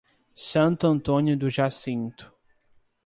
Santo Antônio do Jacinto